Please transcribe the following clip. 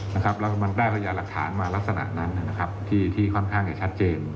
แล้วมันได้พยานหลักฐานมาลักษณะนั้นที่ค่อนข้างจะชัดเจน